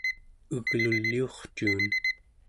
egluliurcuun